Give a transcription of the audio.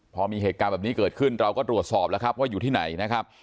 พอมีเหตุการณ์แบบนี้เกิดขึ้นเราก็ตรวจสอบแล้วครับว่าอยู่ที่ไหนนะครับ